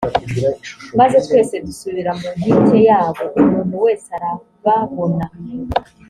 maze twese dusubira ku nkike yabo umuntu wese arababona